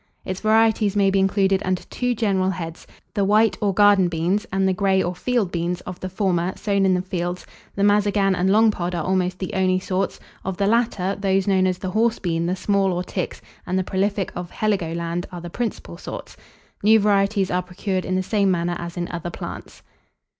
Its varieties may be included under two general heads, the white, or garden beans, and the grey, or field beans, of the former, sown in the fields, the mazagan and long pod are almost the only sorts; of the latter, those known as the horse bean, the small or ticks, and the prolific of Heligoland, are the principal sorts. New varieties are procured in the same manner as in other plants.